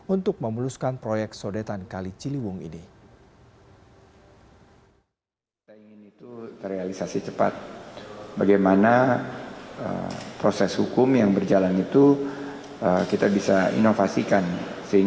untuk memuluskan proyek sodetan kali ciliwung ini